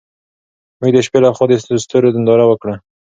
موږ د شپې لخوا د ستورو ننداره وکړه.